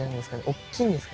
大きいんですか？